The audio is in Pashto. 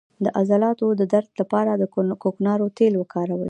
د عضلاتو درد لپاره د کوکنارو تېل وکاروئ